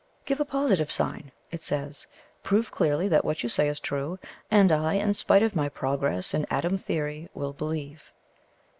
"Give a positive sign," it says; "prove clearly that what you say is true, and I, in spite of my Progress and Atom Theory, will believe."